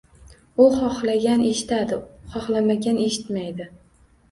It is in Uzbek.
U xohlagan eshitadi, xohlamagan eshitmaydi.